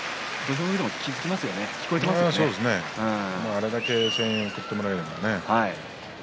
あれだけ声援を送ってもらえれば。